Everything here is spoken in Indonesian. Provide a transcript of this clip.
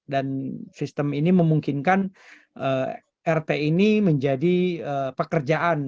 dan sistem ini memungkinkan rt ini menjadi pekerjaan